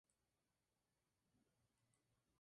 Una calle de Montevideo lleva su nombre.